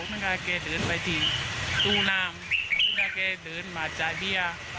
ซึ่งก็แกเดินไปที่ตู้น้ำซึ่งก็แกเดินมาจากเบี้ย